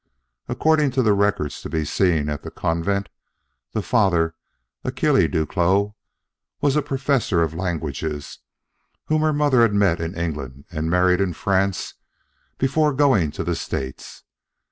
According to the records to be seen at the convent, the father, Achille Duclos, was a professor of languages, whom her mother had met in England and married in France before going to the States.